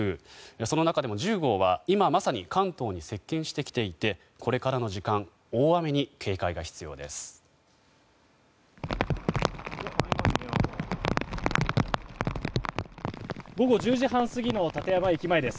その中でも１０号は今、まさに関東に接近してきていてこれからの時間大雨に警戒が必要です。